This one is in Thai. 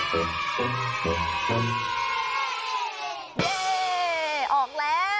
เย้ออกแล้ว